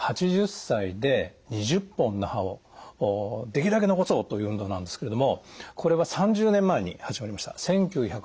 ８０歳で２０本の歯をできるだけ残そうという運動なんですけれどもこれは３０年前に始まりました。